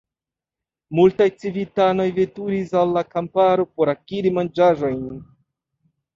Multaj civitanoj veturis al la kamparo por akiri manĝaĵojn.